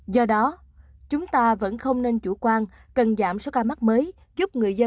do đó chúng ta vẫn không nên chủ quan cần giảm số ca mắc mới